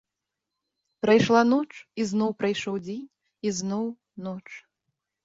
Прайшла ноч, і зноў прайшоў дзень, і зноў ноч.